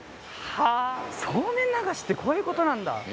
はぁそうめん流しってこういうことなんだ！